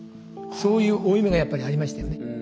そういう負い目がやっぱりありましたよね。